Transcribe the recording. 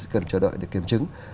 cần chờ đợi để kiểm chứng